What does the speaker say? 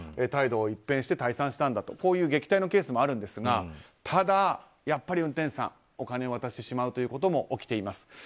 態度を一変して退散したんだと撃退のケースもあるんですがただ、やっぱり運転手さんお金を渡してしまうということも起きています。